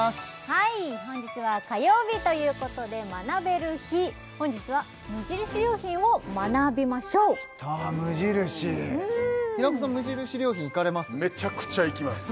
はい本日は火曜日ということで学べる日本日は無印良品を学びましょうああ無印平子さん無印良品行かれます？